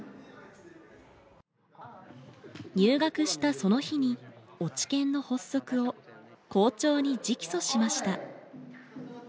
入学したその日に落研の発足を校長に直訴しました。